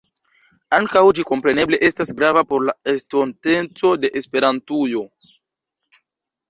Ankaŭ ĝi kompreneble estas grava por la estonteco de Esperantujo.